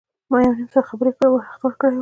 ما یو نیم ساعت وخت ورکړی و.